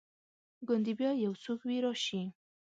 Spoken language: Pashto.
ګوندي بیا یو څوک وي راشي